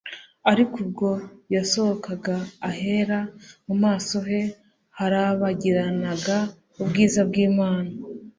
Ariko ubwo yasohokaga ahera, mu maso he harabagiranaga ubwiza bw'Imana